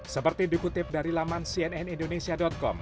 seperti dikutip dari laman cnnindonesia com